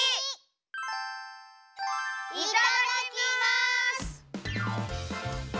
いただきます！